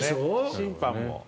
審判も。